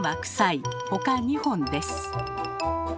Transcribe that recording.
ほか２本です。